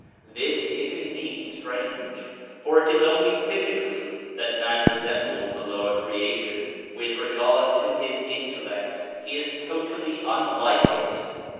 This is indeed strange, for it is only physically that man re sembles the lower creation, with regard to his intellect he is totally unlike it.